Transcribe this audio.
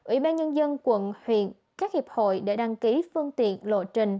ủy ban nhân dân quận huyện các hiệp hội để đăng ký phương tiện lộ trình